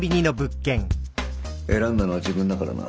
選んだのは自分だからな。